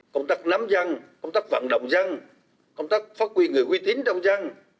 công tác nắm răng công tác vận động răng công tác phát quy người quy tín trong răng